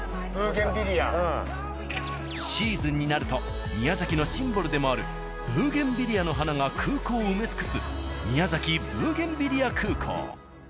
シーズンになると宮崎のシンボルでもあるブーゲンビリアの花が空港を埋め尽くす宮崎ブーゲンビリア空港。